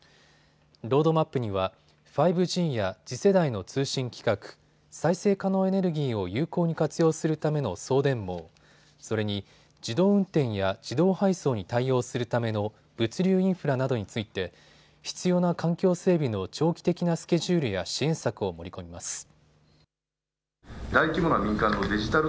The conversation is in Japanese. ロードマップには５Ｇや次世代の通信規格、再生可能エネルギーを有効に活用するための送電網、それに自動運転や指導配送に対応するための物流インフラなどについて必要な環境整備の長期的なスケジュールや支援策を盛り込みます。